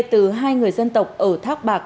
từ hai người dân tộc ở thác bạc